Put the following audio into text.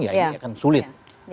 ya ini akan sulit